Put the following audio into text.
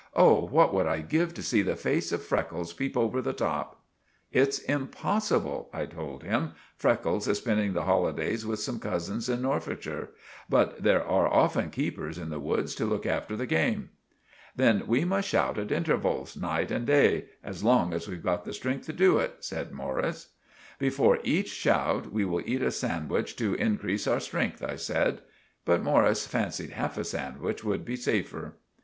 "Oh, what would I give to see the face of Freckles peep over the top!" "It's impossible," I told him. "Freckles is spending the holidays with some cousins in Norfolkshire. But there are often keepers in the woods to look after the game." "Then we must shout at intervals, night and day—as long as we've got the strength to do it, said Morris. "Before each shout we will eat a sandwich to increese our strength," I said. But Morris fancied half a sandwich would be safer.